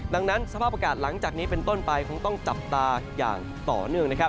ดังนั้นเฉพาะโปรกาศหลังจากนี้เป็นต้นไปคงต้องจับตาอย่างต่อเนื่อง